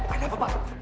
ada apa pak